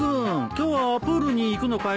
今日はプールに行くのかい？